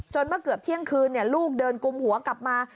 เมื่อเกือบเที่ยงคืนลูกเดินกุมหัวกลับมา